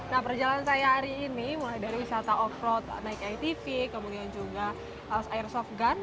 nah perjalanan saya hari ini mulai dari wisata off road naik atv kemudian juga airsoft gun